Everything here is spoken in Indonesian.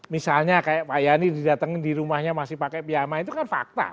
misalnya kayak pak yani didatengin di rumahnya masih pakai piyama itu kan fakta